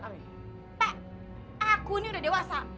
pak aku ini udah dewasa